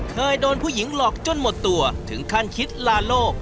เคยโดนผู้หญิงหลอกจนหมดตัวถึงขั้นคิดลาโลก